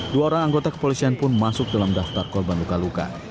dua orang anggota kepolisian pun masuk dalam daftar korban luka luka